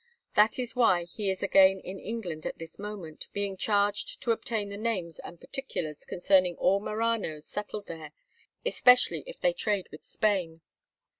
That is why he is again in England at this moment, being charged to obtain the names and particulars concerning all Maranos settled there, especially if they trade with Spain.